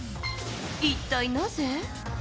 一体なぜ？